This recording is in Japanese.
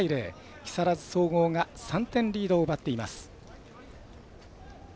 木更津総合が３点リードを奪っています。